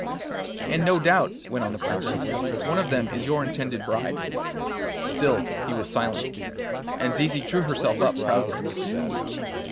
'And no doubt,' went on the Princess, 'one of them is your intended bride?' Still he was silent, and Zizi drew herself up proudly.